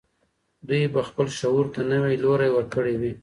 دوی به خپل شعور ته نوی لوری ورکړی وي.